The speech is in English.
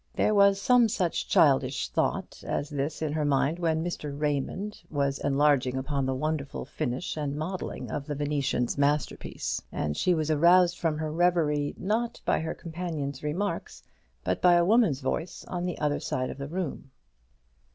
There were some such childish thoughts as these in her mind while Mr. Raymond was enlarging upon the wonderful finish and modelling of the Venetian's masterpiece; and she was aroused from her reverie not by her companion's remarks, but by a woman's voice on the other side of the room.